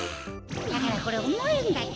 だからこれおもいんだって。